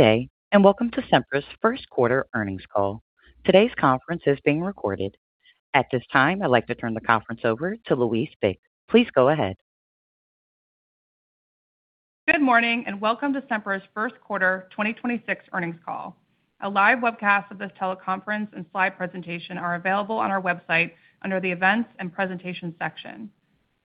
Good day. Welcome to Sempra's first quarter earnings call. Today's conference is being recorded. At this time, I'd like to turn the conference over to Louise Bick. Please go ahead. Good morning, welcome to Sempra's first quarter 2026 earnings call. A live webcast of this teleconference and slide presentation are available on our website under the Events and Presentation section.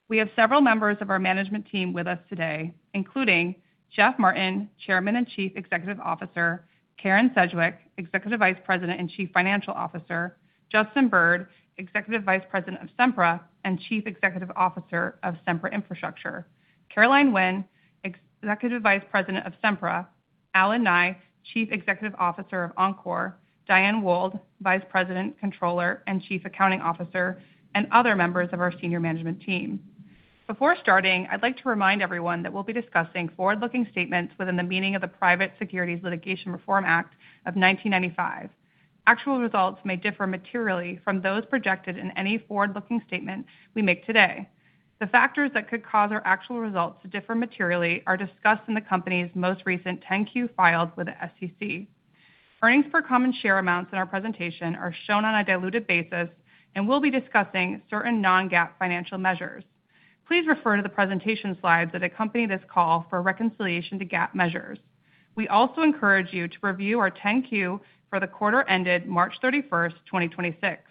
We have several members of our management team with us today, including Jeff Martin, Chairman and Chief Executive Officer, Karen Sedgwick, Executive Vice President and Chief Financial Officer, Justin Bird, Executive Vice President of Sempra and Chief Executive Officer of Sempra Infrastructure, Caroline Winn, Executive Vice President of Sempra, Allen Nye, Chief Executive Officer of Oncor, Dyan Z. Wold, Vice President, Controller, and Chief Accounting Officer, and other members of our senior management team. Before starting, I'd like to remind everyone that we'll be discussing forward-looking statements within the meaning of the Private Securities Litigation Reform Act of 1995. Actual results may differ materially from those projected in any forward-looking statement we make today. The factors that could cause our actual results to differ materially are discussed in the company's most recent 10-Q filed with the SEC. Earnings per common share amounts in our presentation are shown on a diluted basis, and we'll be discussing certain non-GAAP financial measures. Please refer to the presentation slides that accompany this call for a reconciliation to GAAP measures. We also encourage you to review our 10-Q for the quarter ended March 31, 2026.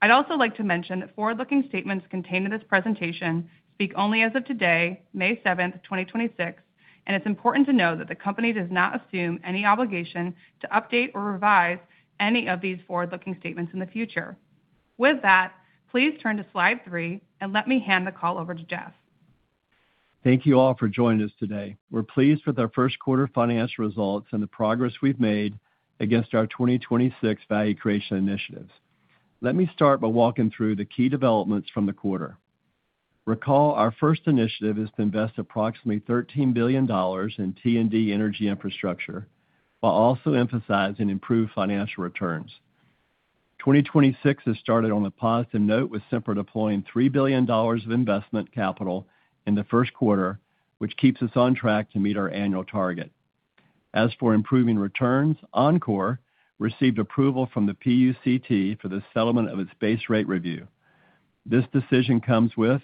I'd also like to mention that forward-looking statements contained in this presentation speak only as of today, May 7, 2026, and it's important to know that the company does not assume any obligation to update or revise any of these forward-looking statements in the future. With that, please turn to slide 3, and let me hand the call over to Jeff. Thank you all for joining us today. We're pleased with our first quarter financial results and the progress we've made against our 2026 value creation initiatives. Let me start by walking through the key developments from the quarter. Recall, our first initiative is to invest approximately $13 billion in T&D energy infrastructure, while also emphasizing improved financial returns. 2026 has started on a positive note with Sempra deploying $3 billion of investment capital in the first quarter, which keeps us on track to meet our annual target. As for improving returns, Oncor received approval from the PUCT for the settlement of its base rate review. This decision comes with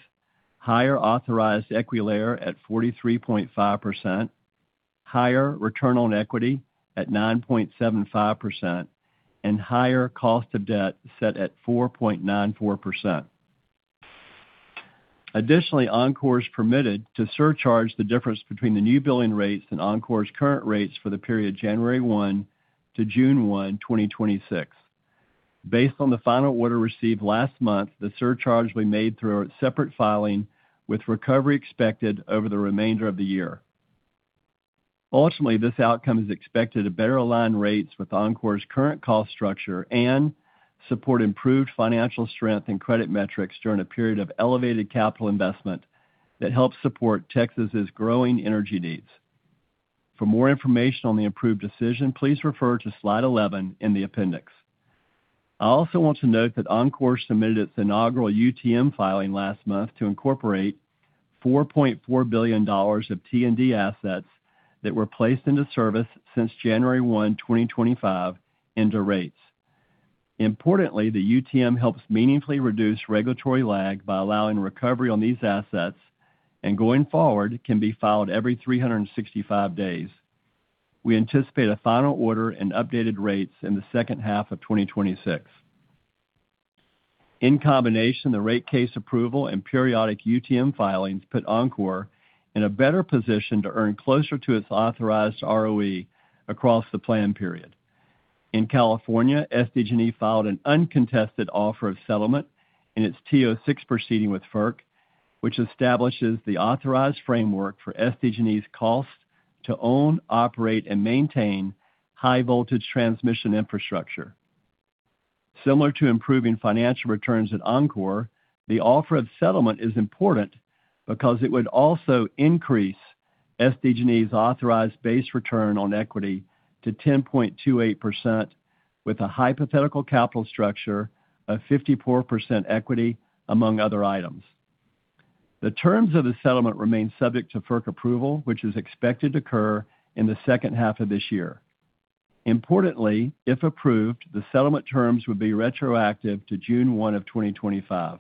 higher authorized equity layer at 43.5%, higher return on equity at 9.75%, and higher cost of debt set at 4.94%. Additionally, Oncor is permitted to surcharge the difference between the new billing rates and Oncor's current rates for the period January 1 to June 1, 2026. Based on the final order received last month, the surcharge will be made through a separate filing with recovery expected over the remainder of the year. Ultimately, this outcome is expected to better align rates with Oncor's current cost structure and support improved financial strength and credit metrics during a period of elevated capital investment that helps support Texas' growing energy needs. For more information on the approved decision, please refer to slide 11 in the appendix. I also want to note that Oncor submitted its inaugural UTM filing last month to incorporate $4.4 billion of T&D assets that were placed into service since January 1, 2025, into rates. Importantly, the UTM helps meaningfully reduce regulatory lag by allowing recovery on these assets, and going forward, can be filed every 365 days. We anticipate a final order and updated rates in the second half of 2026. In combination, the rate case approval and periodic UTM filings put Oncor in a better position to earn closer to its authorized ROE across the plan period. In California, SDG&E filed an uncontested offer of settlement in its TO6 proceeding with FERC, which establishes the authorized framework for SDG&E's cost to own, operate, and maintain high-voltage transmission infrastructure. Similar to improving financial returns at Oncor, the offer of settlement is important because it would also increase SDG&E's authorized base return on equity to 10.28% with a hypothetical capital structure of 54% equity, among other items. The terms of the settlement remain subject to FERC approval, which is expected to occur in the second half of this year. Importantly, if approved, the settlement terms would be retroactive to June 1, 2025.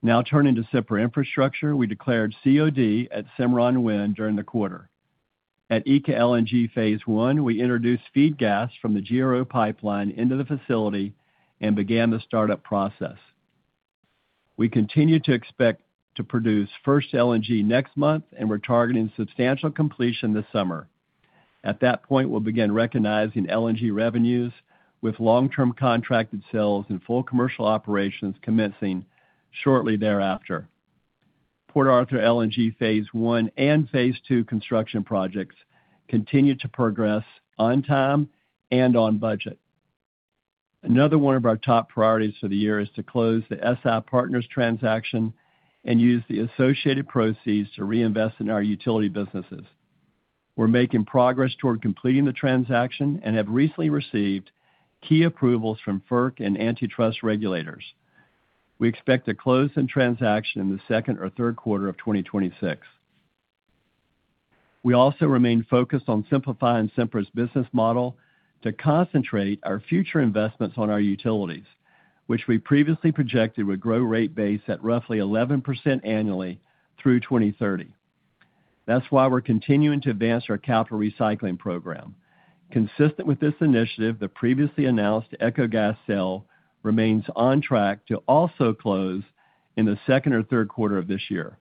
Now turning to Sempra Infrastructure, we declared COD at Cimarron Wind during the quarter. At ECA LNG Phase 1, we introduced feed gas from the Gasoducto Rosarito pipeline into the facility and began the startup process. We continue to expect to produce first LNG next month, and we're targeting substantial completion this summer. At that point, we'll begin recognizing LNG revenues with long-term contracted sales and full commercial operations commencing shortly thereafter. Port Arthur LNG Phase 1 and Phase 2 construction projects continue to progress on time and on budget. Another one of our top priorities for the year is to close the SI Partners transaction and use the associated proceeds to reinvest in our utility businesses. We're making progress toward completing the transaction and have recently received key approvals from FERC and antitrust regulators. We expect to close the transaction in the second or third quarter of 2026. We also remain focused on simplifying Sempra's business model to concentrate our future investments on our utilities, which we previously projected would grow rate base at roughly 11% annually through 2030. That's why we're continuing to advance our capital recycling program. Consistent with this initiative, the previously announced Ecogas sale remains on track to also close in the second or third quarter of this year.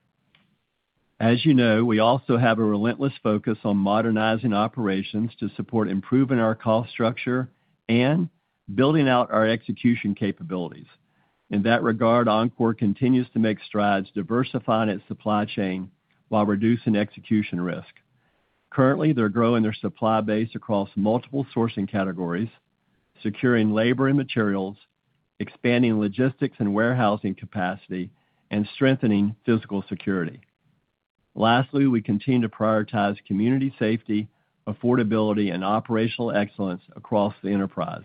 As you know, we also have a relentless focus on modernizing operations to support improving our cost structure and building out our execution capabilities. In that regard, Oncor continues to make strides diversifying its supply chain while reducing execution risk. Currently, they're growing their supply base across multiple sourcing categories, securing labor and materials, expanding logistics and warehousing capacity, and strengthening physical security. Lastly, we continue to prioritize community safety, affordability, and operational excellence across the enterprise.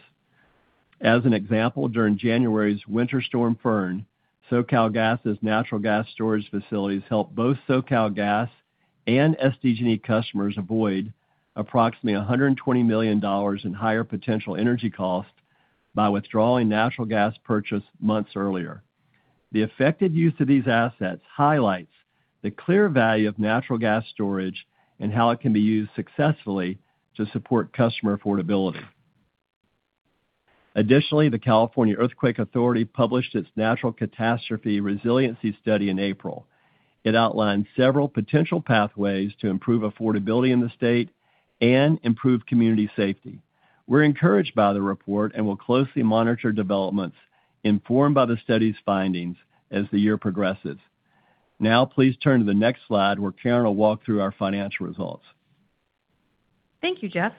As an example, during January's Winter Storm Fern, SoCalGas's natural gas storage facilities helped both SoCalGas and SDG&E customers avoid approximately $120 million in higher potential energy costs by withdrawing natural gas purchase months earlier. The effective use of these assets highlights the clear value of natural gas storage and how it can be used successfully to support customer affordability. Additionally, the California Earthquake Authority published its Natural Catastrophe Resiliency Study in April. It outlined several potential pathways to improve affordability in the state and improve community safety. We're encouraged by the report and will closely monitor developments informed by the study's findings as the year progresses. Now, please turn to the next slide, where Karen will walk through our financial results. Thank you, Jeff.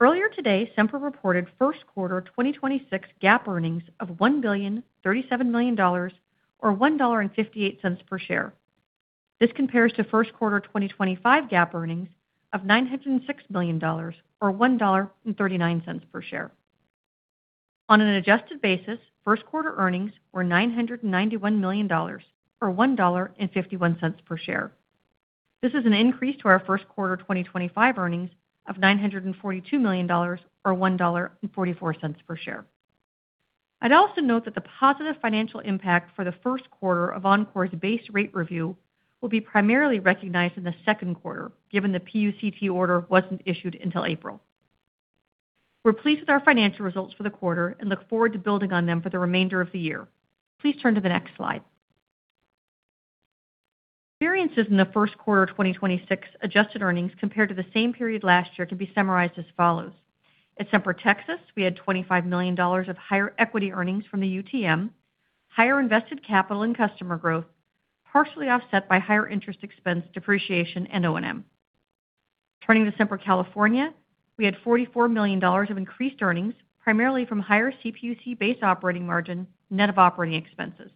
Earlier today, Sempra reported first quarter 2026 GAAP earnings of $1,037 million, or $1.58 per share. This compares to first quarter 2025 GAAP earnings of $906 million or $1.39 per share. On an adjusted basis, first quarter earnings were $991 million or $1.51 per share. This is an increase to our first quarter 2025 earnings of $942 million or $1.44 per share. I'd also note that the positive financial impact for the first quarter of Oncor's base rate review will be primarily recognized in the second quarter, given the PUCT order wasn't issued until April. We're pleased with our financial results for the quarter and look forward to building on them for the remainder of the year. Please turn to the next slide. Variances in the first quarter of 2026 adjusted earnings compared to the same period last year can be summarized as follows. At Sempra Texas, we had $25 million of higher equity earnings from the UTM, higher invested capital and customer growth, partially offset by higher interest expense, depreciation, and O&M. Turning to Sempra California, we had $44 million of increased earnings, primarily from higher CPUC base operating margin net of operating expenses.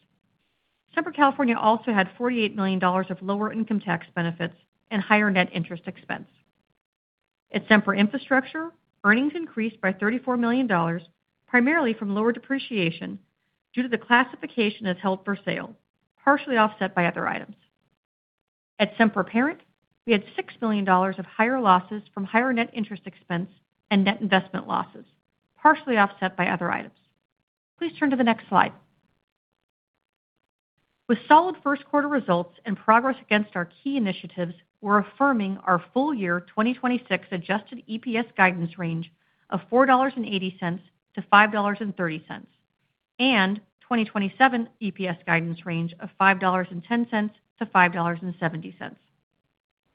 Sempra California also had $48 million of lower income tax benefits and higher net interest expense. At Sempra Infrastructure, earnings increased by $34 million, primarily from lower depreciation due to the classification as held for sale, partially offset by other items. At Sempra Parent, we had $6 million of higher losses from higher net interest expense and net investment losses, partially offset by other items. Please turn to the next slide. With solid first quarter results and progress against our key initiatives, we're affirming our full year 2026 adjusted EPS guidance range of $4.80-$5.30 and 2027 EPS guidance range of $5.10-$5.70.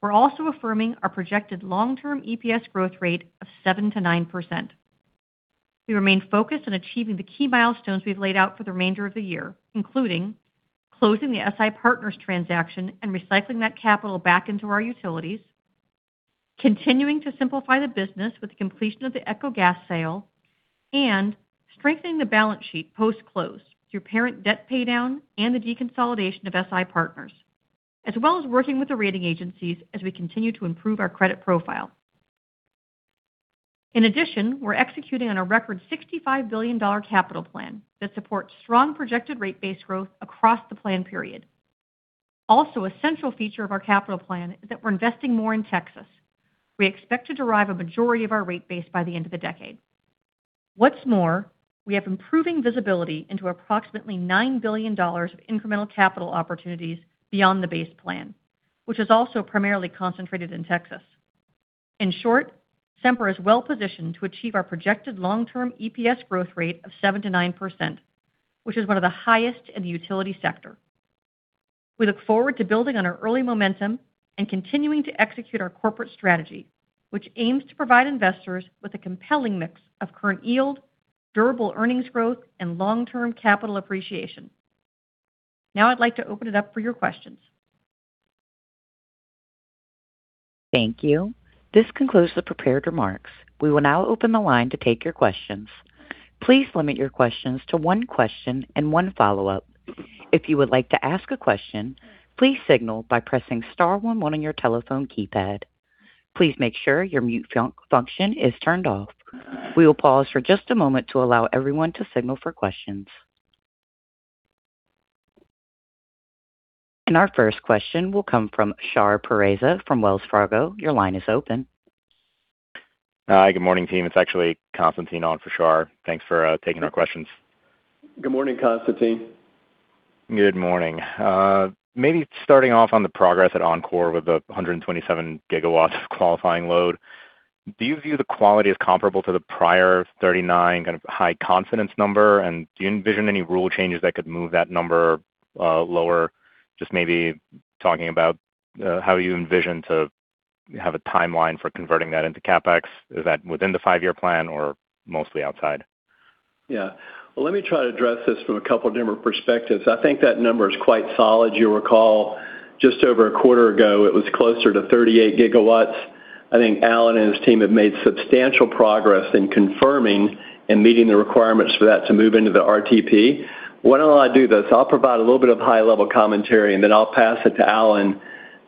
We're also affirming our projected long-term EPS growth rate of 7%-9%. We remain focused on achieving the key milestones we've laid out for the remainder of the year, including closing the Sempra Infrastructure Partners transaction and recycling that capital back into our utilities, continuing to simplify the business with the completion of the Ecogas sale, and strengthening the balance sheet post-close through parent debt paydown and the deconsolidation of Sempra Infrastructure Partners, as well as working with the rating agencies as we continue to improve our credit profile. We're executing on a record $65 billion capital plan that supports strong projected rate base growth across the plan period. A central feature of our capital plan is that we're investing more in Texas. We expect to derive a majority of our rate base by the end of the decade. What's more, we have improving visibility into approximately $9 billion of incremental capital opportunities beyond the base plan, which is also primarily concentrated in Texas. In short, Sempra is well-positioned to achieve our projected long-term EPS growth rate of 7%-9%, which is one of the highest in the utility sector. We look forward to building on our early momentum and continuing to execute our corporate strategy, which aims to provide investors with a compelling mix of current yield, durable earnings growth, and long-term capital appreciation. I'd like to open it up for your questions. Thank you. This concludes the prepared remarks. We will now open the line to take your questions. Please limit your questions to 1 question and 1 follow-up. If you would like to ask a question, please signal by pressing star 11 on your telephone keypad. Please make sure your mute function is turned off. We will pause for just a moment to allow everyone to signal for questions. Our first question will come from Shar Pourreza from Wells Fargo. Your line is open. Hi. Good morning, team. It's actually Constantine on for Shar. Thanks for taking our questions. Good morning, Constantine. Good morning. Maybe starting off on the progress at Oncor with the 127 GW qualifying load. Do you view the quality as comparable to the prior 39 kind of high confidence number? Do you envision any rule changes that could move that number lower? Just maybe talking about how you envision to have a timeline for converting that into CapEx. Is that within the five-year plan or mostly outside? Yeah. Well, let me try to address this from a couple different perspectives. I think that number is quite solid. You'll recall just over a quarter ago, it was closer to 38 gigawatts. I think Allen and his team have made substantial progress in confirming and meeting the requirements for that to move into the RTP. What I'll do though, is I'll provide a little bit of high-level commentary, and then I'll pass it to Allen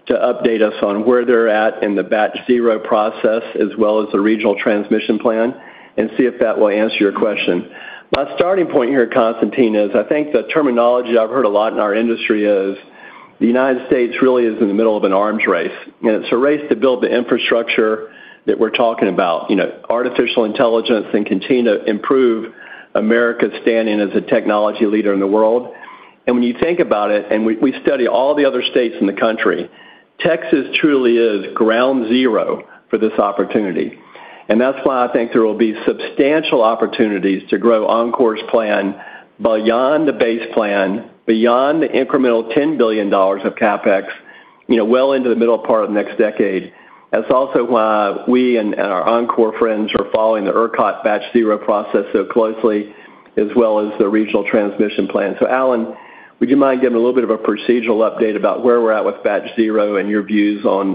to update us on where they're at in the Batch Zero process as well as the regional transmission plan and see if that will answer your question. My starting point here, Constantine, is I think the terminology I've heard a lot in our industry is the United States really is in the middle of an arms race, and it's a race to build the infrastructure that we're talking about. You know, artificial intelligence and continue to improve America's standing as a technology leader in the world. When you think about it, we study all the other states in the country, Texas truly is ground zero for this opportunity. That's why I think there will be substantial opportunities to grow Oncor's plan beyond the base plan, beyond the incremental $10 billion of CapEx, you know, well into the middle part of the next decade. That's also why we and our Oncor friends are following the ERCOT Batch Zero process so closely as well as the Regional Transmission Plan. Allen, would you mind giving a little bit of a procedural update about where we're at with Batch Zero and your views on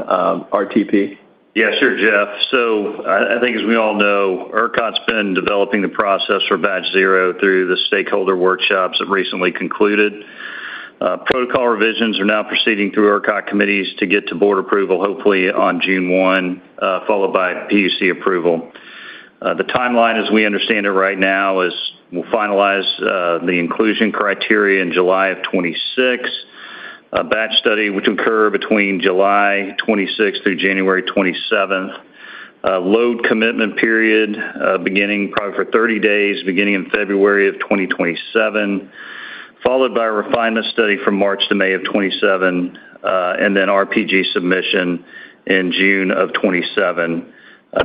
RTP? Yeah, sure, Jeff. I think as we all know, ERCOT's been developing the process for Batch Zero through the stakeholder workshops that recently concluded. Protocol revisions are now proceeding through ERCOT committees to get to board approval, hopefully on June 1, followed by PUC approval. The timeline, as we understand it right now, is we'll finalize the inclusion criteria in July of 2026. A batch study, which occur between July 2026 through January 27th. Load commitment period, beginning probably for 30 days, beginning in February of 2027, followed by a refinement study from March to May of 2027, and then RPG submission in June of 2027.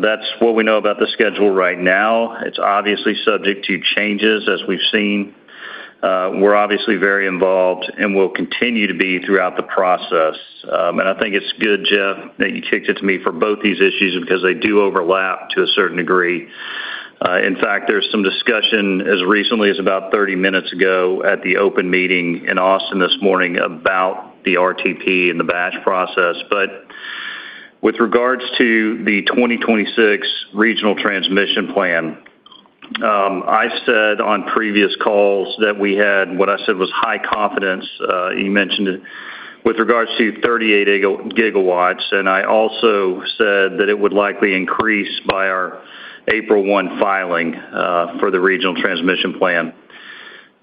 That's what we know about the schedule right now. It's obviously subject to changes as we've seen. We're obviously very involved and will continue to be throughout the process. I think it's good, Jeff, that you kicked it to me for both these issues because they do overlap to a certain degree. In fact, there's some discussion as recently as about 30 minutes ago at the open meeting in Austin this morning about the RTP and the batch process. With regards to the 2026 regional transmission plan, I said on previous calls that we had what I said was high confidence, you mentioned it, with regards to 38 gigawatts, and I also said that it would likely increase by our April 1 filing for the regional transmission plan.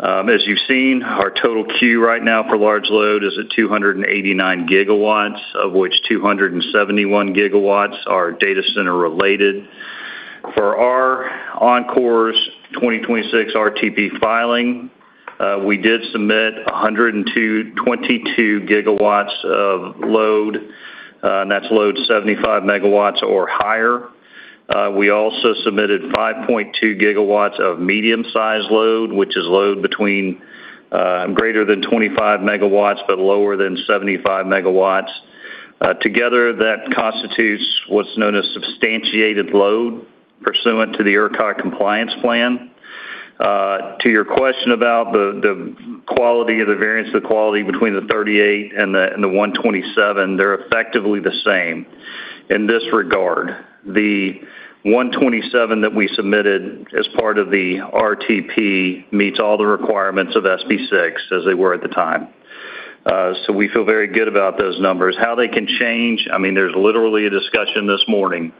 As you've seen, our total Q right now for large load is at 289 gigawatts, of which 271 gigawatts are data center related. For our Oncor's 2026 RTP filing, we did submit 102.22 gigawatts of load, and that's load 75 megawatts or higher. We also submitted 5.2 gigawatts of medium-sized load, which is load between greater than 25 megawatts, but lower than 75 megawatts. Together, that constitutes what's known as substantiated load pursuant to the ERCOT compliance plan. To your question about the quality of the variance, the quality between the 38 and the 127, they're effectively the same in this regard. The 127 that we submitted as part of the RTP meets all the requirements of SB 6 as they were at the time. We feel very good about those numbers. How they can change, I mean, there's literally a discussion this morning,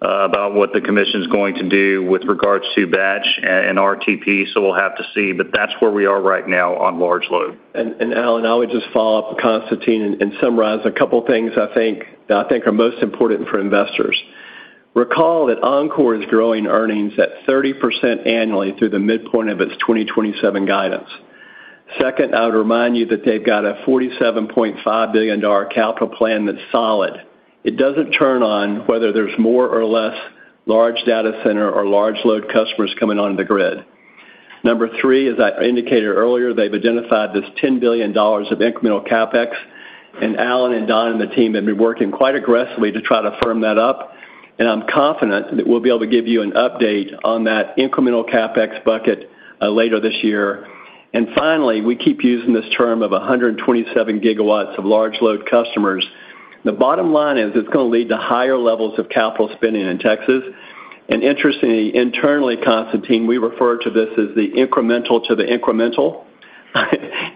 about what the Commission's going to do with regards to Batch Zero and RTP, so we'll have to see. That's where we are right now on large load. Allen, I would just follow up with Constantine and summarize a couple things that I think are most important for investors. Recall that Oncor is growing earnings at 30% annually through the midpoint of its 2027 guidance. Second, I would remind you that they've got a $47.5 billion capital plan that's solid. It doesn't turn on whether there's more or less large data center or large load customers coming onto the grid. Number three, as I indicated earlier, they've identified this $10 billion of incremental CapEx, and Allen and Don and the team have been working quite aggressively to try to firm that up. I'm confident that we'll be able to give you an update on that incremental CapEx bucket later this year. Finally, we keep using this term of 127 gigawatts of large load customers. The bottom line is it's gonna lead to higher levels of capital spending in Texas. Interestingly, internally, Constantine, we refer to this as the incremental to the incremental.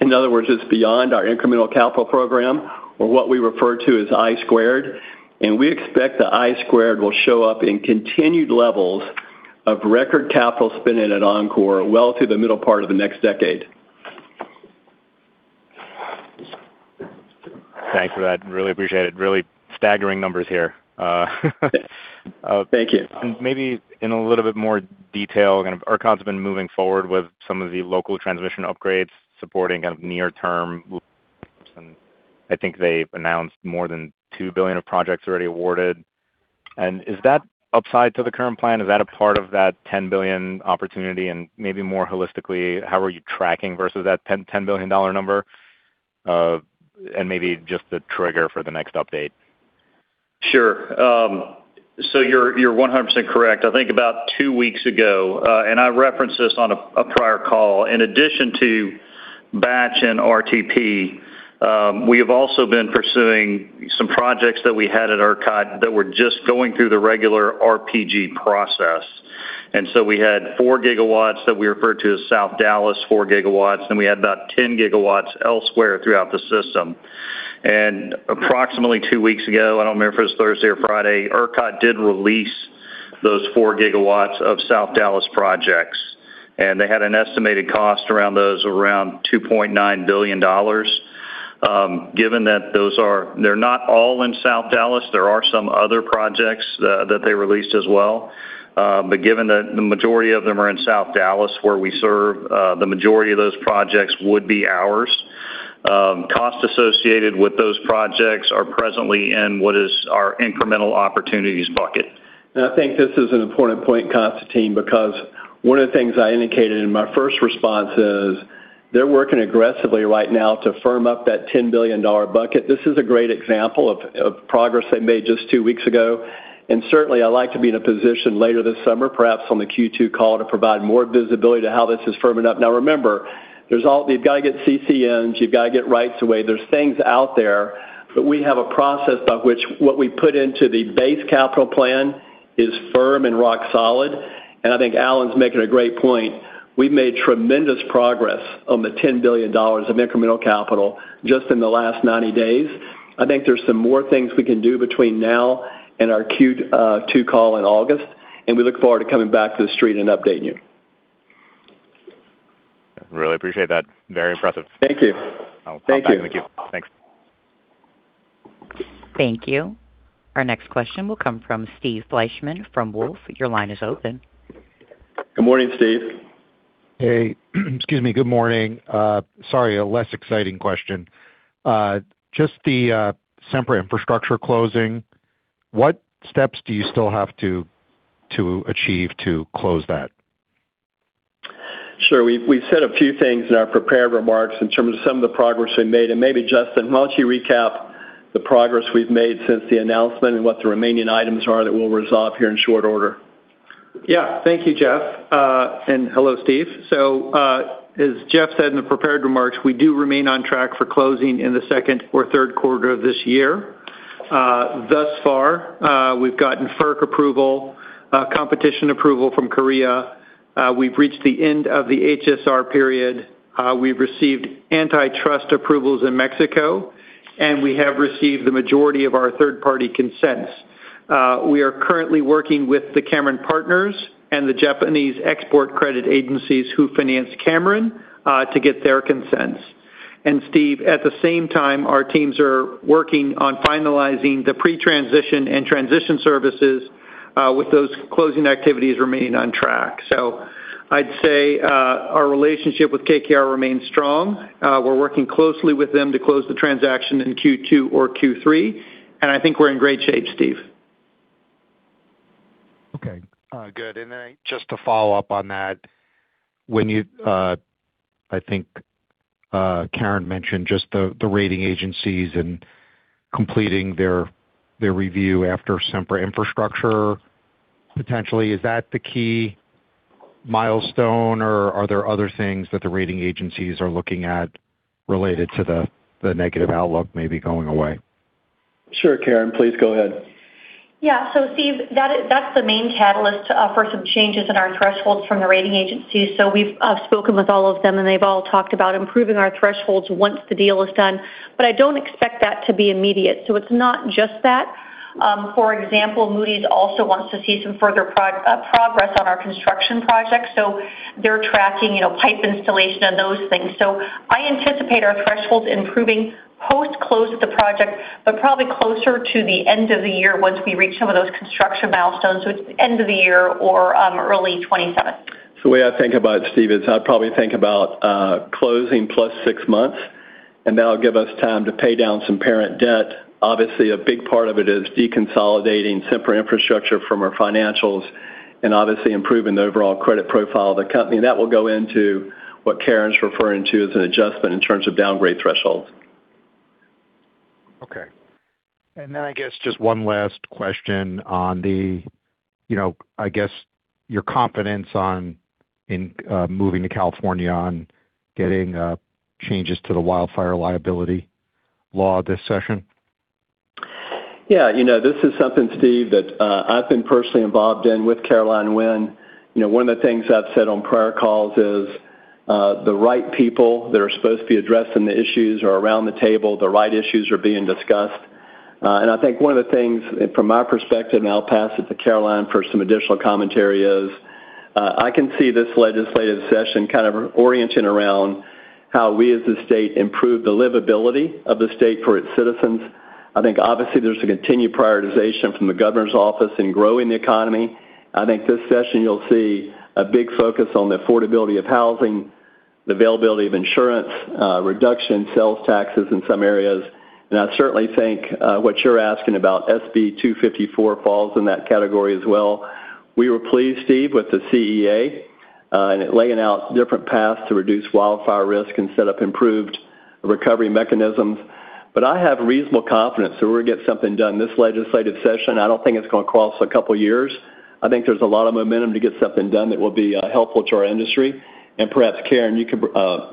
In other words, it's beyond our incremental capital program or what we refer to as I squared. We expect the I squared will show up in continued levels of record capital spending at Oncor well through the middle part of the next decade. Thanks for that. Really appreciate it. Really staggering numbers here. Thank you. Maybe in a little bit more detail, kind of ERCOT's been moving forward with some of the local transmission upgrades supporting kind of near-term. I think they announced more than $2 billion of projects already awarded. Is that upside to the current plan? Is that a part of that $10 billion opportunity? Maybe more holistically, how are you tracking versus that $10 billion number? Maybe just the trigger for the next update. Sure. You're 100% correct. I think about 2 weeks ago, I referenced this on a prior call. In addition to Batch and RTP, we have also been pursuing some projects that we had at ERCOT that were just going through the regular RPG process. We had 4 gigawatts that we refer to as South Dallas 4 gigawatts, and we had about 10 gigawatts elsewhere throughout the system. Approximately 2 weeks ago, I don't remember if it was Thursday or Friday, ERCOT did release those 4 gigawatts of South Dallas projects. They had an estimated cost around those around $2.9 billion. They're not all in South Dallas. There are some other projects that they released as well. Given that the majority of them are in South Dallas, where we serve, the majority of those projects would be ours. Costs associated with those projects are presently in what is our incremental opportunities bucket. I think this is an important point, Constantine, because one of the things I indicated in my first response is they're working aggressively right now to firm up that $10 billion bucket. This is a great example of progress they made just 2 weeks ago. Certainly, I like to be in a position later this summer, perhaps on the Q2 call, to provide more visibility to how this is firming up. Remember, you've got to get CCNs. You've got to get rights of way. There's things out there. We have a process by which what we put into the base capital plan is firm and rock solid. I think Allen's making a great point. We've made tremendous progress on the $10 billion of incremental capital just in the last 90 days. I think there's some more things we can do between now and our Q2 call in August. We look forward to coming back to the street and updating you. Really appreciate that. Very impressive. Thank you. Thank you. I'll pop back in the queue. Thanks. Thank you. Our next question will come from Steve Fleishman from Wolfe. Your line is open. Good morning, Steve. Hey. Excuse me. Good morning. Sorry, a less exciting question. Just the Sempra Infrastructure closing, what steps do you still have to achieve to close that? Sure. We've said a few things in our prepared remarks in terms of some of the progress we've made. Maybe, Justin, why don't you recap the progress we've made since the announcement and what the remaining items are that we'll resolve here in short order? Yeah. Thank you, Jeff. Hello, Steve. As Jeff said in the prepared remarks, we do remain on track for closing in the 2nd or 3rd quarter of this year. Thus far, we've gotten FERC approval, competition approval from Korea. We've reached the end of the HSR period. We've received antitrust approvals in Mexico, and we have received the majority of our third-party consents. We are currently working with the Cameron partners and the Japanese export credit agencies who finance Cameron, to get their consents. Steve, at the same time, our teams are working on finalizing the pre-transition and transition services, with those closing activities remaining on track. I'd say, our relationship with KKR remains strong. We're working closely with them to close the transaction in Q2 or Q3, and I think we're in great shape, Steve. Okay. Good. Just to follow up on that, when you, I think Karen mentioned just the rating agencies and completing their review after Sempra Infrastructure potentially, is that the key milestone, or are there other things that the rating agencies are looking at related to the negative outlook maybe going away? Sure. Karen, please go ahead. Steve, that's the main catalyst for some changes in our thresholds from the rating agencies. We've spoken with all of them, and they've all talked about improving our thresholds once the deal is done. I don't expect that to be immediate. It's not just that. For example, Moody's also wants to see some further progress on our construction projects. They're tracking, you know, pipe installation and those things. I anticipate our thresholds improving post-close of the project, but probably closer to the end of the year once we reach some of those construction milestones. It's end of the year or early 2027. The way I think about it, Steve, is I'd probably think about closing plus 6 months, and that'll give us time to pay down some parent debt. Obviously, a big part of it is deconsolidating Sempra Infrastructure from our financials and obviously improving the overall credit profile of the company. That will go into what Karen's referring to as an adjustment in terms of downgrade thresholds. I guess just one last question on the, you know, I guess your confidence on moving to California on getting changes to the wildfire liability law this session? Yeah. You know, this is something, Steve, that I've been personally involved in with Caroline Winn. You know, one of the things I've said on prior calls is the right people that are supposed to be addressing the issues are around the table, the right issues are being discussed. I think one of the things from my perspective, and I'll pass it to Caroline for some additional commentary, is I can see this legislative session kind of orienting around how we as a state improve the livability of the state for its citizens. I think obviously there's a continued prioritization from the governor's office in growing the economy. I think this session you'll see a big focus on the affordability of housing, the availability of insurance, reduction sales taxes in some areas. I certainly think, what you're asking about, SB 254 falls in that category as well. We were pleased, Steve, with the CEA, and it laying out different paths to reduce wildfire risk and set up improved recovery mechanisms. I have reasonable confidence that we're gonna get something done this legislative session. I don't think it's gonna cross a couple of years. I think there's a lot of momentum to get something done that will be helpful to our industry. Perhaps, Karen, you could,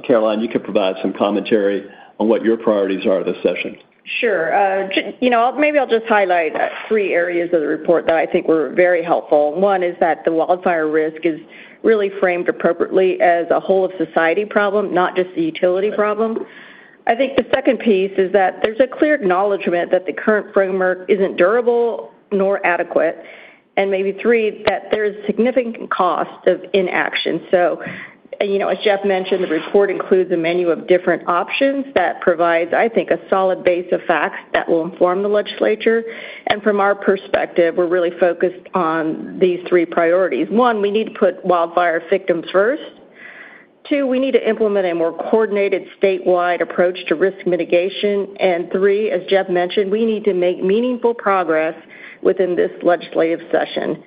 Caroline, you could provide some commentary on what your priorities are this session. Sure. you know, maybe I'll just highlight 3 areas of the report that I think were very helpful. 1 is that the wildfire risk is really framed appropriately as a whole of society problem, not just the utility problem. I think the 2nd piece is that there's a clear acknowledgment that the current framework isn't durable nor adequate, maybe 3, that there is significant cost of inaction. you know, as Jeff Martin mentioned, the report includes a menu of different options that provides, I think, a solid base of facts that will inform the legislature. From our perspective, we're really focused on these 3 priorities. 1, we need to put wildfire victims first. 2, we need to implement a more coordinated statewide approach to risk mitigation. 3, as Jeff Martin mentioned, we need to make meaningful progress within this legislative session.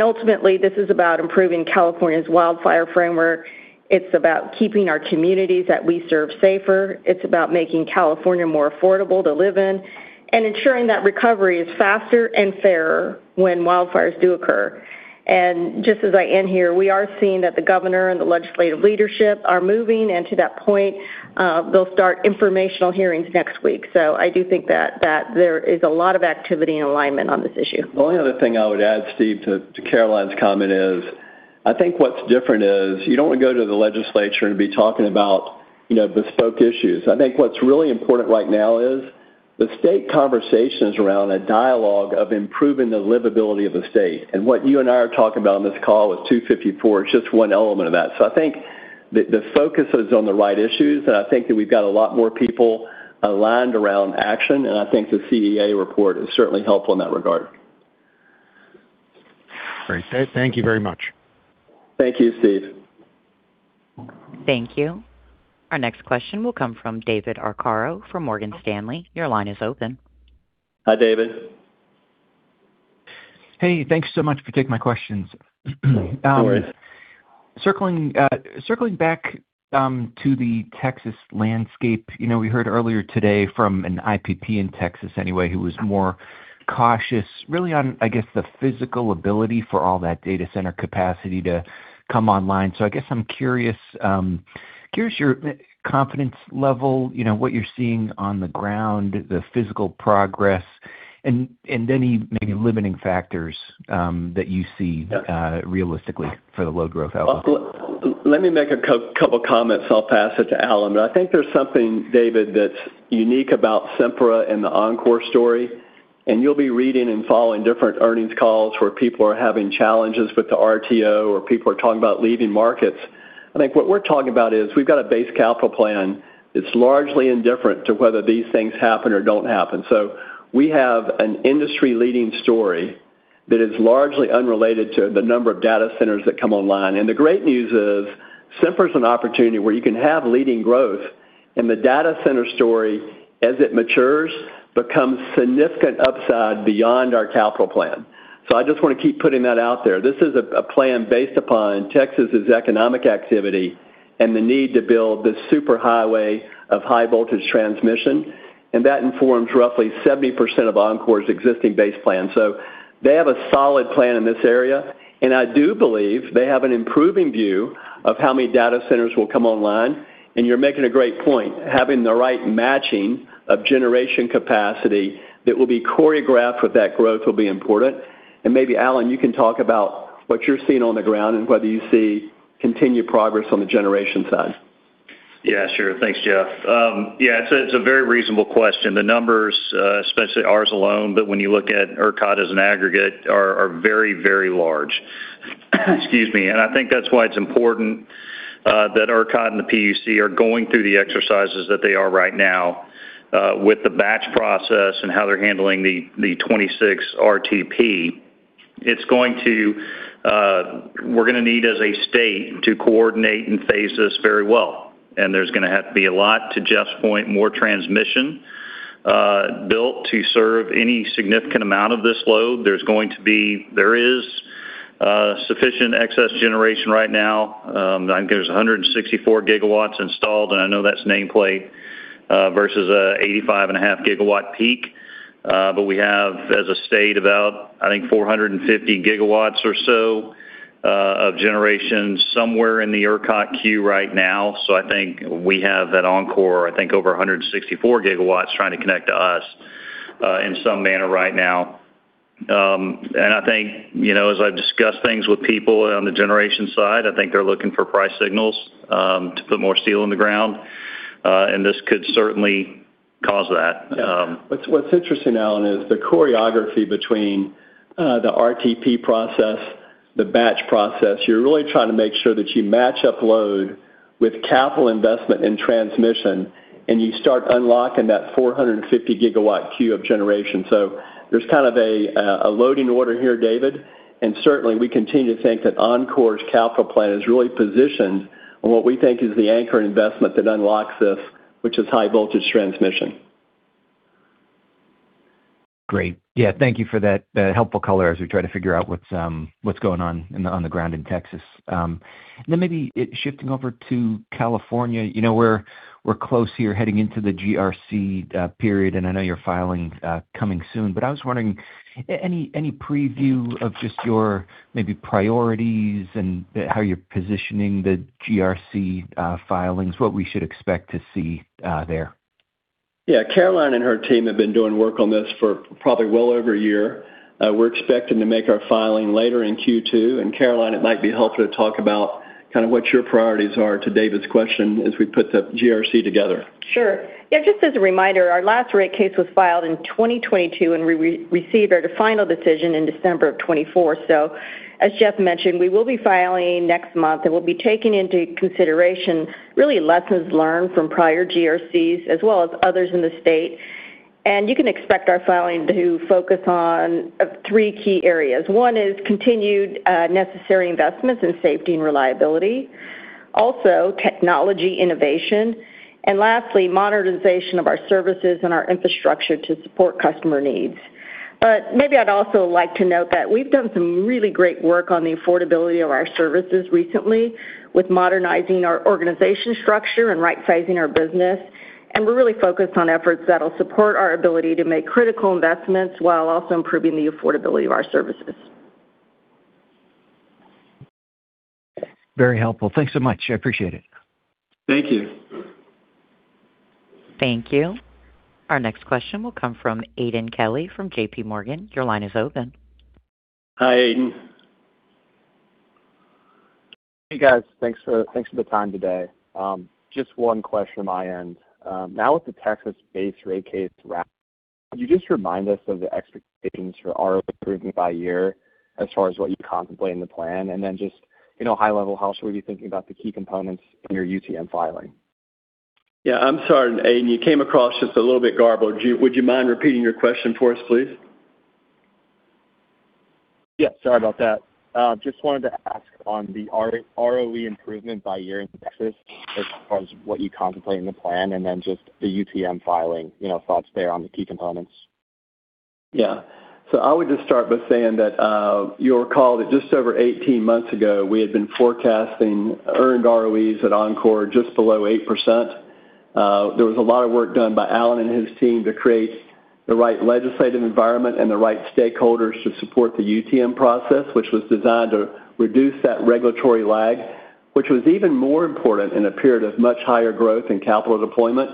Ultimately, this is about improving California's wildfire framework. It's about keeping our communities that we serve safer. It's about making California more affordable to live in and ensuring that recovery is faster and fairer when wildfires do occur. Just as I end here, we are seeing that the governor and the legislative leadership are moving. To that point, they'll start informational hearings next week. I do think that there is a lot of activity and alignment on this issue. The only other thing I would add, Steve, to Caroline's comment is, I think what's different is you don't want to go to the legislature and be talking about, you know, bespoke issues. I think what's really important right now is the state conversation is around a dialogue of improving the livability of the state. What you and I are talking about on this call with SB 254, it's just one element of that. I think the focus is on the right issues, and I think that we've got a lot more people aligned around action, and I think the CEA report is certainly helpful in that regard. Great. Thank you very much. Thank you, Steve. Thank you. Our next question will come from David Arcaro from Morgan Stanley. Your line is open. Hi, David. Hey, thanks so much for taking my questions. Of course. Circling back to the Texas landscape. You know, we heard earlier today from an IPP in Texas anyway, who was more cautious really on, I guess, the physical ability for all that data center capacity to come online. I guess I'm curious your confidence level, you know, what you're seeing on the ground, the physical progress and any maybe limiting factors, that you see, realistically for the low growth outlook. Let me make a couple comments, I'll pass it to Allen. I think there's something, David, that's unique about Sempra and the Oncor story, and you'll be reading and following different earnings calls where people are having challenges with the RTO or people are talking about leaving markets. I think what we're talking about is we've got a base capital plan that's largely indifferent to whether these things happen or don't happen. We have an industry-leading story that is largely unrelated to the number of data centers that come online. The great news is Sempra is an opportunity where you can have leading growth, and the data center story, as it matures, becomes significant upside beyond our capital plan. I just want to keep putting that out there. This is a plan based upon Texas' economic activity and the need to build this superhighway of high voltage transmission. That informs roughly 70% of Oncor's existing base plan. They have a solid plan in this area. I do believe they have an improving view of how many data centers will come online. You're making a great point, having the right matching of generation capacity that will be choreographed with that growth will be important. Maybe, Allen, you can talk about what you're seeing on the ground and whether you see continued progress on the generation side. Yeah, sure. Thanks, Jeff. Yeah, it's a very reasonable question. The numbers, especially ours alone, but when you look at ERCOT as an aggregate, are very, very large. Excuse me. I think that's why it's important that ERCOT and the PUC are going through the exercises that they are right now with the batch process and how they're handling the 2026 RTP. We're gonna need as a state to coordinate and phase this very well. There's gonna have to be a lot, to Jeff's point, more transmission built to serve any significant amount of this load. There is sufficient excess generation right now. I think there's 164 GW installed, and I know that's nameplate versus 85.5 GW peak. We have, as a state, about 450 gigawatts or so of generation somewhere in the ERCOT queue right now. We have that Oncor, over 164 gigawatts trying to connect to us, in some manner right now. You know, as I've discussed things with people on the generation side, they're looking for price signals to put more steel in the ground, and this could certainly cause that. What's interesting, Allen, is the choreography between the RTP process, the batch process. You're really trying to make sure that you match up load with capital investment and transmission, and you start unlocking that 450 GW queue of generation. There's kind of a loading order here, David, and certainly we continue to think that Oncor's capital plan is really positioned on what we think is the anchor investment that unlocks this, which is high voltage transmission. Great. Yeah, thank you for that, helpful color as we try to figure out what's going on the ground in Texas. Maybe it shifting over to California. You know, we're close here heading into the GRC period, and I know your filing coming soon. But I was wondering, any preview of just your maybe priorities and how you're positioning the GRC filings, what we should expect to see there? Yeah. Caroline and her team have been doing work on this for probably well over a year. We're expecting to make our filing later in Q2. Caroline, it might be helpful to talk about kind of what your priorities are to David's question as we put the GRC together. Sure. Yeah, just as a reminder, our last rate case was filed in 2022, and we received our final decision in December of 2024. As Jeff mentioned, we will be filing next month, and we'll be taking into consideration really lessons learned from prior GRCs as well as others in the state. You can expect our filing to focus on 3 key areas. One is continued necessary investments in safety and reliability. Also, technology innovation. Lastly, modernization of our services and our infrastructure to support customer needs. Maybe I'd also like to note that we've done some really great work on the affordability of our services recently with modernizing our organization structure and right sizing our business, and we're really focused on efforts that'll support our ability to make critical investments while also improving the affordability of our services. Very helpful. Thanks so much. I appreciate it. Thank you. Thank you. Our next question will come from Aidan Kelly from JP Morgan. Your line is open. Hi, Aidan. Hey, guys. Thanks for the time today. Just 1 question on my end. Now with the Texas base rate case wrapped, could you just remind us of the expectations for ROE improvement by year as far as what you contemplate in the plan? Just, you know, high level, how should we be thinking about the key components in your UTM filing? Yeah, I'm sorry, Aidan. You came across just a little bit garbled. Would you mind repeating your question for us, please? Yeah, sorry about that. Just wanted to ask on the ROE improvement by year in Texas as far as what you contemplate in the plan and then just the UTM filing, you know, thoughts there on the key components. I would just start by saying that, you'll recall that just over 18 months ago, we had been forecasting earned ROEs at Oncor just below 8%. There was a lot of work done by Allen Nye and his team to create the right legislative environment and the right stakeholders to support the UTM process, which was designed to reduce that regulatory lag, which was even more important in a period of much higher growth and capital deployment.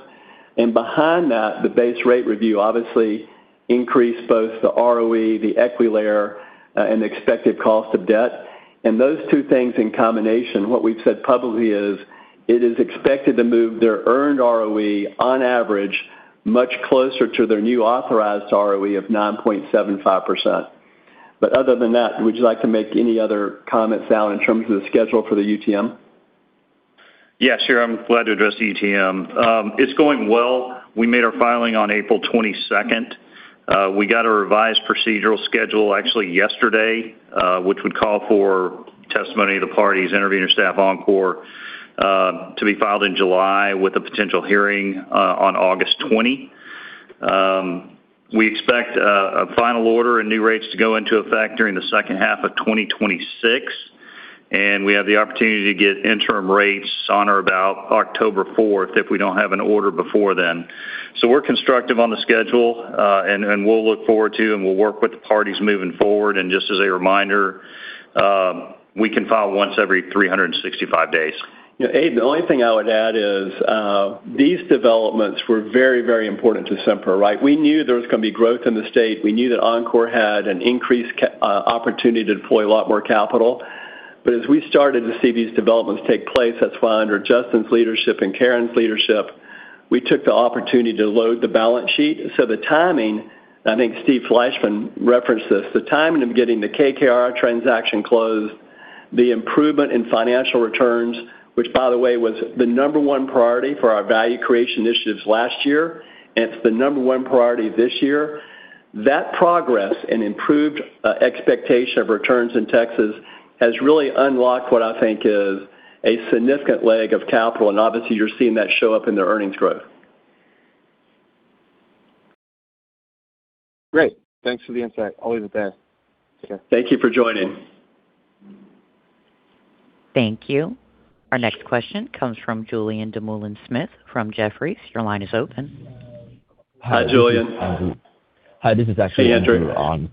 Behind that, the base rate review obviously increased both the ROE, the equity layer, and the expected cost of debt. Those two things in combination, what we've said publicly is it is expected to move their earned ROE on average much closer to their new authorized ROE of 9.75%. Other than that, would you like to make any other comments, Allen, in terms of the schedule for the UTM? Sure. I'm glad to address the UTM. It's going well. We made our filing on April 22. We got a revised procedural schedule actually yesterday, which would call for testimony of the parties, intervener, staff, Oncor, to be filed in July with a potential hearing on August 20. We expect a final order and new rates to go into effect during the second half of 2026, and we have the opportunity to get interim rates on or about October 4 if we don't have an order before then. We're constructive on the schedule, and we'll look forward to, and we'll work with the parties moving forward. Just as a reminder, we can file once every 365 days. Aidan, the only thing I would add is, these developments were very, very important to Sempra, right? We knew there was gonna be growth in the state. We knew that Oncor had an increased opportunity to deploy a lot more capital. As we started to see these developments take place, that's why under Justin's leadership and Karen's leadership, we took the opportunity to load the balance sheet. The timing, I think Steve Fleishman referenced this, the timing of getting the KKR transaction closed, the improvement in financial returns, which by the way, was the number 1 priority for our value creation initiatives last year, and it's the number 1 priority this year. That progress and improved expectation of returns in Texas has really unlocked what I think is a significant leg of capital, and obviously you're seeing that show up in their earnings growth. Great. Thanks for the insight. I'll leave it there. Thank you for joining. Thank you. Our next question comes from Julien Dumoulin-Smith from Jefferies. Your line is open. Hi, Julien. Hi, this is actually Andrew. Hey, Andrew.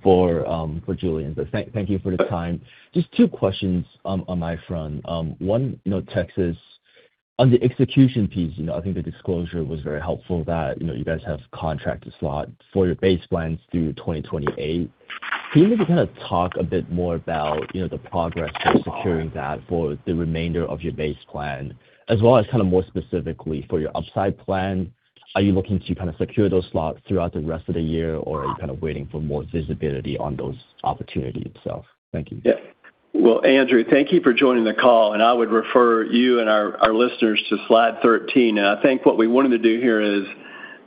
for Julien. Thank you for the time. Just two questions on my front. One, you know, Texas, on the execution piece, you know, I think the disclosure was very helpful that, you know, you guys have contracted slot for your base plans through 2028. Can you maybe kind of talk a bit more about, you know, the progress of securing that for the remainder of your base plan, as well as kind of more specifically for your upside plan? Are you looking to kind of secure those slots throughout the rest of the year, or are you kind of waiting for more visibility on those opportunities itself? Thank you. Yeah. Well, Andrew, thank you for joining the call. I would refer you and our listeners to slide 13. I think what we wanted to do here is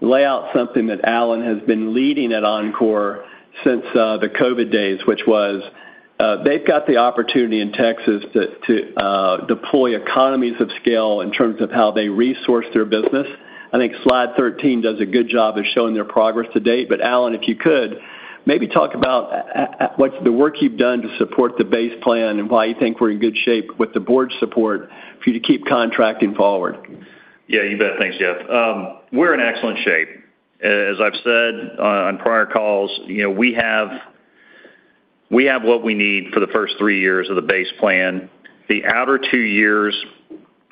lay out something that Allen has been leading at Oncor since the COVID days, which was, they've got the opportunity in Texas to deploy economies of scale in terms of how they resource their business. I think slide 13 does a good job of showing their progress to date. Allen, if you could, maybe talk about what's the work you've done to support the base plan and why you think we're in good shape with the board's support for you to keep contracting forward. Yeah, you bet. Thanks, Jeff. We're in excellent shape. As I've said, on prior calls, you know, we have what we need for the first three years of the base plan. The outer two years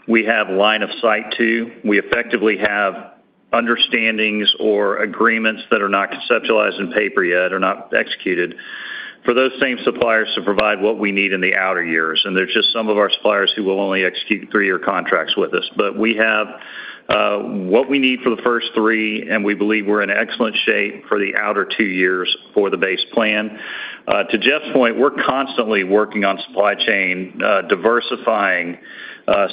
we have line of sight to. We effectively have understandings or agreements that are not conceptualized in paper yet, are not executed for those same suppliers to provide what we need in the outer years. There's just some of our suppliers who will only execute three-year contracts with us. We have what we need for the first three, and we believe we're in excellent shape for the outer two years for the base plan. To Jeff's point, we're constantly working on supply chain, diversifying,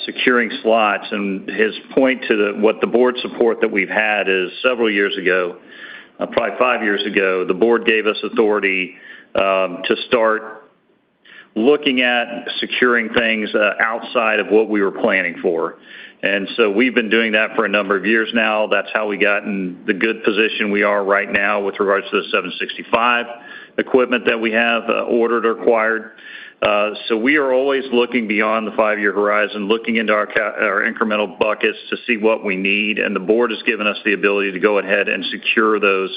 securing slots. His point to what the Board support that we've had is several years ago, probably five years ago, the Board gave us authority to start looking at securing things outside of what we were planning for. We've been doing that for a number of years now. That's how we got in the good position we are right now with regards to the 765 kV equipment that we have ordered or acquired. We are always looking beyond the five-year horizon, looking into our incremental buckets to see what we need, and the Board has given us the ability to go ahead and secure those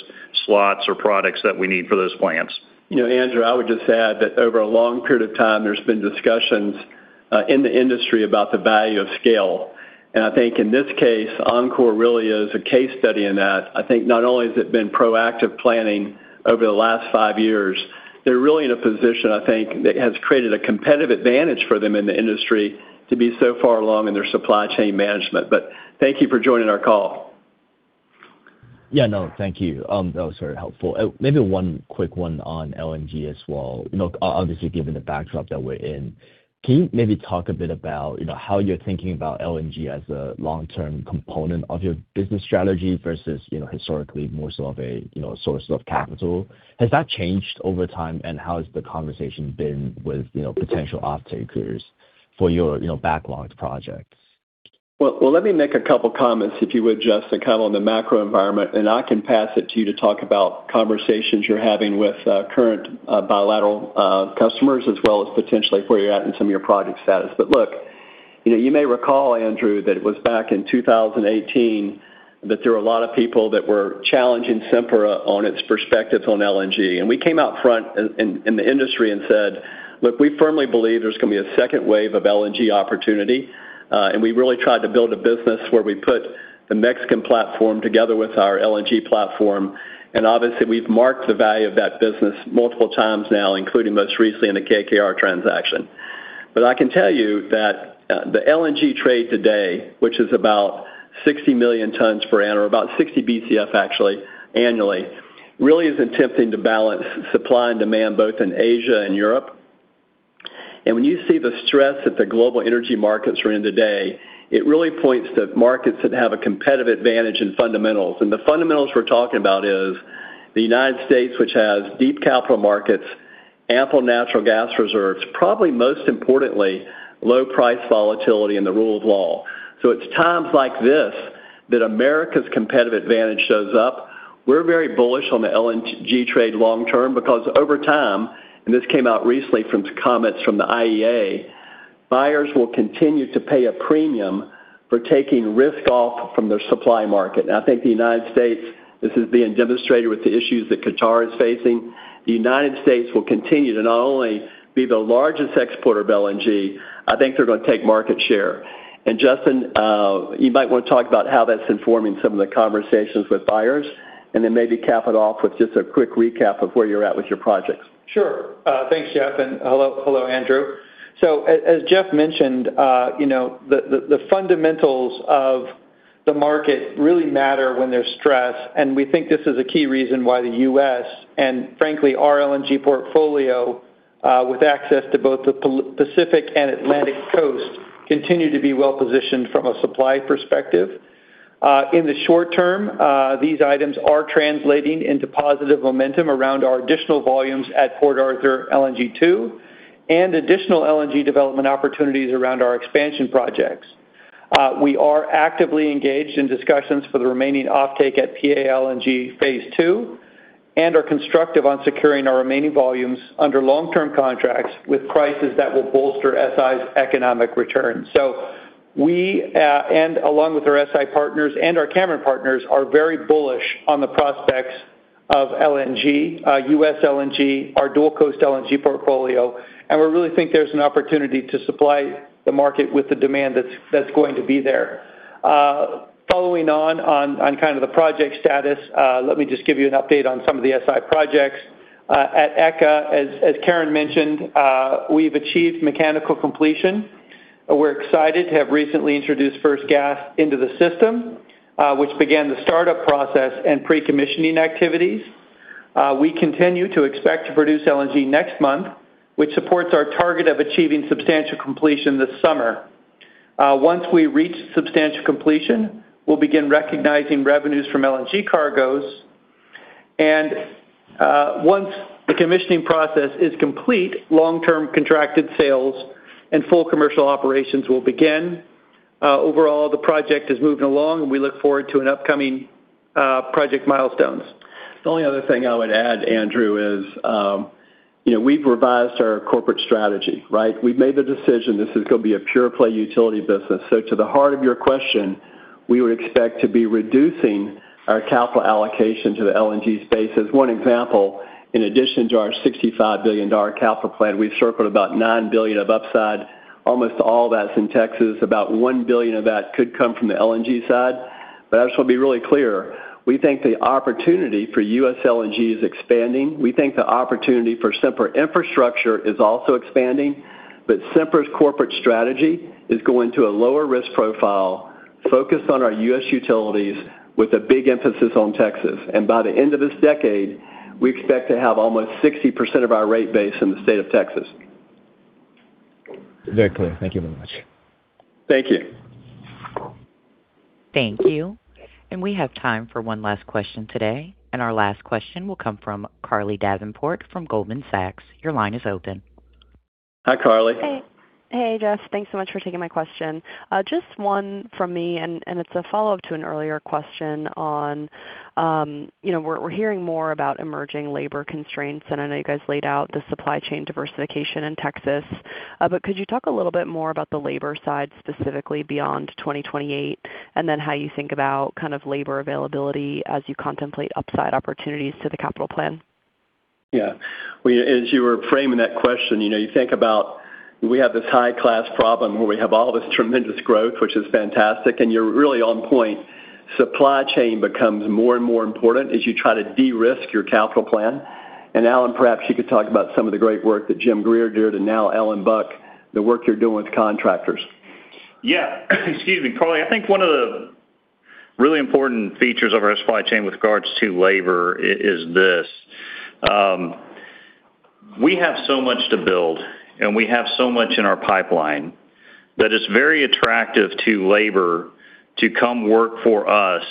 slots or products that we need for those plans. You know, Andrew, I would just add that over a long period of time, there's been discussions in the industry about the value of scale. I think in this case, Oncor really is a case study in that. I think not only has it been proactive planning over the last five years, they're really in a position, I think, that has created a competitive advantage for them in the industry to be so far along in their supply chain management. Thank you for joining our call. Yeah, no, thank you. That was very helpful. Maybe one quick one on LNG as well. You know, obviously given the backdrop that we're in, can you maybe talk a bit about, you know, how you're thinking about LNG as a long-term component of your business strategy versus, you know, historically more so of a, you know, source of capital? Has that changed over time, and how has the conversation been with, you know, potential offtakers for your, you know, backlogged projects? Well, let me make a couple comments, if you would, Justin, kind of on the macro environment, and I can pass it to you to talk about conversations you're having with current bilateral customers as well as potentially where you're at in some of your project status. Look, you know, you may recall, Andrew, that it was back in 2018 that there were a lot of people that were challenging Sempra on its perspectives on LNG. We came out front in the industry and said, "Look, we firmly believe there's gonna be a second wave of LNG opportunity." We really tried to build a business where we put the Mexican platform together with our LNG platform. Obviously, we've marked the value of that business multiple times now, including most recently in the KKR transaction. I can tell you that the LNG trade today, which is about 60 million tons or about 60 BCF actually annually, really is attempting to balance supply and demand both in Asia and Europe. When you see the stress that the global energy markets are in today, it really points to markets that have a competitive advantage in fundamentals. The fundamentals we're talking about is the U.S., which has deep capital markets, ample natural gas reserves, probably most importantly, low price volatility and the rule of law. It's times like this that America's competitive advantage shows up. We're very bullish on the LNG trade long term because over time, and this came out recently from comments from the IEA, buyers will continue to pay a premium for taking risk off from their supply market. I think the United States, this is being demonstrated with the issues that Qatar is facing. The United States will continue to not only be the largest exporter of LNG, I think they're gonna take market share. Justin, you might wanna talk about how that's informing some of the conversations with buyers, and then maybe cap it off with just a quick recap of where you're at with your projects. Sure. Thanks, Jeff, and hello, Andrew. As Jeff mentioned, you know, the fundamentals of the market really matter when there's stress, and we think this is a key reason why the U.S. and frankly, our LNG portfolio, with access to both the Pacific and Atlantic Coast continue to be well-positioned from a supply perspective. In the short term, these items are translating into positive momentum around our additional volumes at Port Arthur LNG 2, and additional LNG development opportunities around our expansion projects. We are actively engaged in discussions for the remaining offtake at PALNG phase 2, and are constructive on securing our remaining volumes under long-term contracts with prices that will bolster SI's economic return. We, and along with our SI partners and our Cameron partners, are very bullish on the prospects of LNG, U.S. LNG, our dual-coast LNG portfolio, and we really think there's an opportunity to supply the market with the demand that's going to be there. Following on kind of the project status, let me just give you an update on some of the SI projects. At ECA, as Karen mentioned, we've achieved mechanical completion. We're excited to have recently introduced first gas into the system, which began the startup process and pre-commissioning activities. We continue to expect to produce LNG next month, which supports our target of achieving substantial completion this summer. Once we reach substantial completion, we'll begin recognizing revenues from LNG cargos. Once the commissioning process is complete, long-term contracted sales and full commercial operations will begin. Overall, the project is moving along, and we look forward to an upcoming project milestones. The only other thing I would add, Andrew, is, you know, we've revised our corporate strategy, right? We've made the decision this is gonna be a pure play utility business. To the heart of your question, we would expect to be reducing our capital allocation to the LNG space. As one example, in addition to our $65 billion capital plan, we've circled about $9 billion of upside, almost all that's in Texas. About $1 billion of that could come from the LNG side. I just wanna be really clear, we think the opportunity for U.S. LNG is expanding. We think the opportunity for Sempra Infrastructure is also expanding, but Sempra's corporate strategy is going to a lower risk profile, focused on our U.S. utilities with a big emphasis on Texas. By the end of this decade, we expect to have almost 60% of our rate base in the state of Texas. Very clear. Thank you very much. Thank you. Thank you. We have time for 1 last question today, and our last question will come from Carly Davenport from Goldman Sachs. Your line is open. Hi, Carly. Hey. Hey, Jeff. Thanks so much for taking my question. Just one from me, and it's a follow-up to an earlier question on, you know, we're hearing more about emerging labor constraints, and I know you guys laid out the supply chain diversification in Texas. Could you talk a little bit more about the labor side, specifically beyond 2028, and then how you think about kind of labor availability as you contemplate upside opportunities to the capital plan? Yeah. Well, as you were framing that question, you know, you think about we have this high-class problem where we have all this tremendous growth, which is fantastic, and you're really on point. Supply chain becomes more and more important as you try to de-risk your capital plan. Allen, perhaps you could talk about some of the great work that Jim Greer did, and now Ellen Buck, the work you're doing with contractors. Yeah. Excuse me, Carly. I think one of the really important features of our supply chain with regards to labor is this: we have so much to build, and we have so much in our pipeline that it's very attractive to labor to come work for us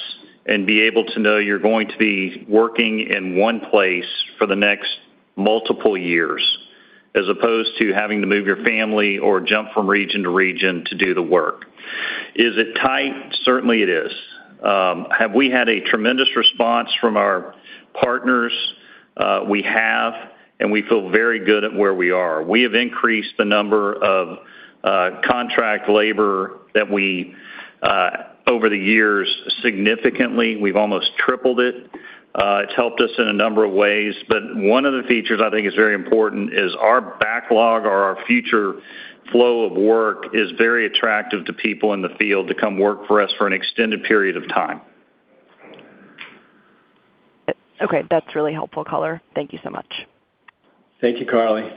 and be able to know you're going to be working in one place for the next multiple years, as opposed to having to move your family or jump from region to region to do the work. Is it tight? Certainly, it is. Have we had a tremendous response from our partners? We have, and we feel very good at where we are. We have increased the number of contract labor that we over the years, significantly. We've almost tripled it. It's helped us in a number of ways. One of the features I think is very important is our backlog or our future flow of work is very attractive to people in the field to come work for us for an extended period of time. Okay, that's really helpful color. Thank you so much. Thank you, Carly.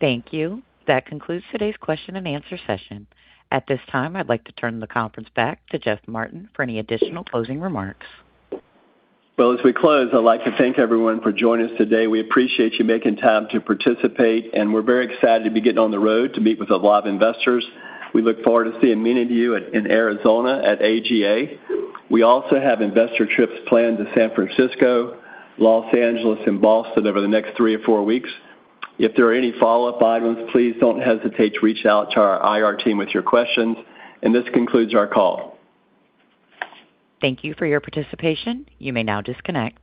Thank you. That concludes today's question and answer session. At this time, I'd like to turn the conference back to Jeff Martin for any additional closing remarks. Well, as we close, I'd like to thank everyone for joining us today. We appreciate you making time to participate, and we're very excited to be getting on the road to meet with a lot of investors. We look forward to seeing many of you in Arizona at AGA. We also have investor trips planned to San Francisco, Los Angeles, and Boston over the next three or four weeks. If there are any follow-up items, please don't hesitate to reach out to our IR team with your questions. This concludes our call. Thank you for your participation. You may now disconnect.